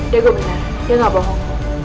dia gue benar dia gak bohong